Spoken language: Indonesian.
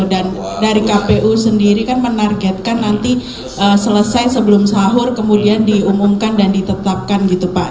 dan dari kpu sendiri kan menargetkan nanti selesai sebelum sahur kemudian diumumkan dan ditetapkan gitu pak